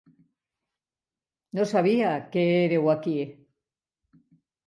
No sabia que éreu aquí.